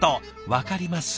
わかります？